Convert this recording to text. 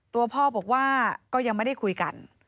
ตัวพ่อบอกว่าก็ยังไม่ได้คุยกัน